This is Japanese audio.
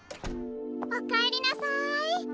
おかえりなさい。